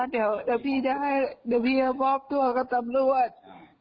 เดี๋ยวพี่ได้ให้พบตัวกับตำรวจ